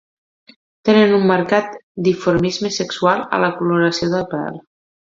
Tenen un marcat dimorfisme sexual a la coloració del pèl.